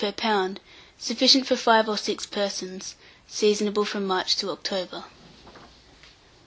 per lb. Sufficient for 5 or 6 persons. Seasonable from March to October.